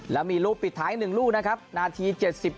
แล้วมีลูกปิดท้าย๑ลูกนะครับนาที๗๘